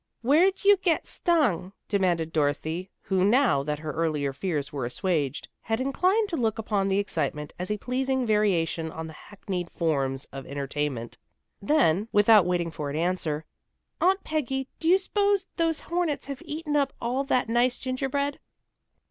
"Where'd you get stung?" demanded Dorothy, who, now that her earlier fears were assuaged, was inclined to look upon the excitement as a pleasing variation on the hackneyed forms of entertainment. Then, without waiting for an answer, "Aunt Peggy, do you s'pose those hornets have eated up all that nice gingerbread?"